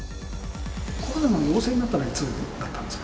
コロナの陽性になったのはいつだったんですか？